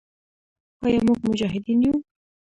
آیا موږ مجاهدین یو؟